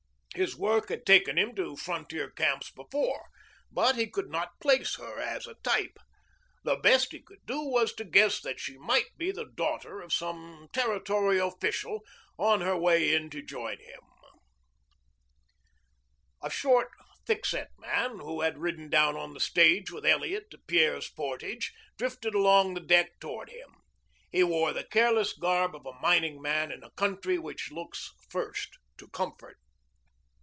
His work had taken him to frontier camps before, but he could not place her as a type. The best he could do was to guess that she might be the daughter of some territorial official on her way in to join him. A short, thick set man who had ridden down on the stage with Elliot to Pierre's Portage drifted along the deck toward him. He wore the careless garb of a mining man in a country which looks first to comfort.